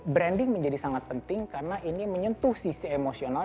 branding menjadi sangat penting karena ini menyentuh sisi emosional